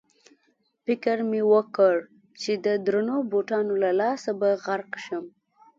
فکر مې وکړ چې د درنو بوټانو له لاسه به غرق شم.